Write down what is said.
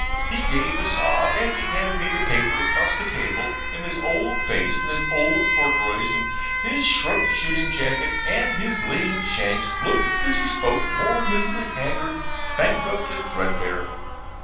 He gave a sob as he handed me the paper across the table; and his old face, and his old corduroys, and his shrunk shooting jacket, and his lean shanks, looked, as he spoke, more miserably haggard, bankrupt, and threadbare.